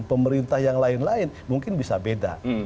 pemerintah yang lain lain mungkin bisa beda